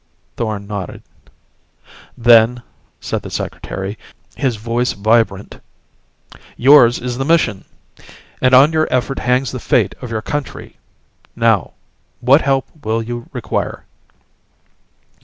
Thorn nodded. "Then," said the Secretary, his voice vibrant, "yours is the mission. And on your effort hangs the fate of your country. Now what help will you require?"